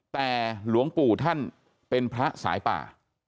แต่หลวงปู่ท่านเป็นพระสายป่า